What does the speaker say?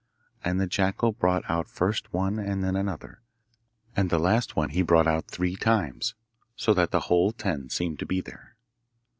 And the jackal brought out first one and then another, and the last one he brought out three times, so that the whole ten seemed to be there.